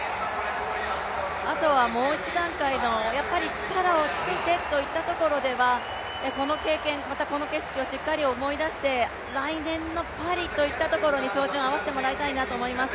あとはもう一段階の力をつけてといったところではこの経験、またこの景色をしっかり思い出して、来年のパリに照準を合わせてもらいたいなと思います。